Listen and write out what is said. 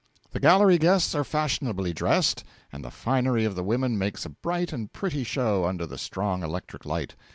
The gallery guests are fashionably dressed, and the finery of the women makes a bright and pretty show under the strong electric light.